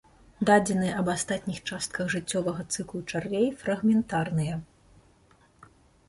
Дадзеныя аб астатніх частках жыццёвага цыклу чарвей фрагментарныя.